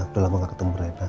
udah lama gak ketemu mereka